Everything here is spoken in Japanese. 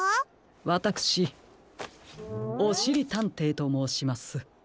わたくしおしりたんていともうします。